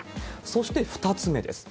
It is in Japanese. そして、２つ目です。